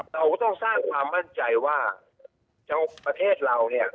เราก็ต้องสร้างความมั่นใจว่าเจ้าประเทศเราเนี่ย